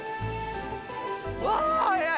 うわ速い！